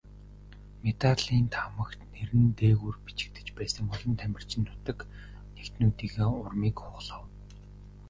Медалийн таамагт нэр нь дээгүүр бичигдэж байсан олон тамирчин нутаг нэгтнүүдийнхээ урмыг хугалав.